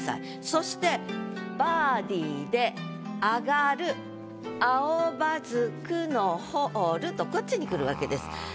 そして「バーディーで上がる青葉木菟のホール」とこっちにくるわけです。